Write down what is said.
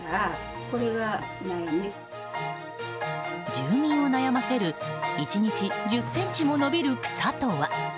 住民を悩ませる１日１０ｃｍも伸びる草とは？